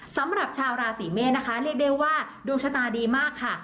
สำหรับชาวราศีเมษนะคะเรียกได้ว่าดวงชะตาดีมากค่ะ